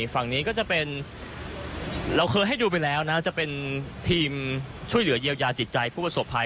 ฝั่งนี้ก็จะเป็นเราเคยให้ดูไปแล้วนะจะเป็นทีมช่วยเหลือเยียวยาจิตใจผู้ประสบภัย